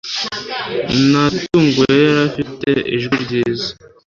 Natunguwe, yari afite ijwi ryiza.